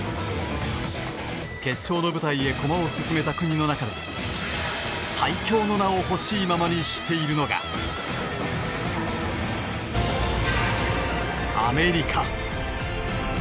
決勝の舞台へ駒を進めた国の中で最強の名を欲しいままにしているのがアメリカ。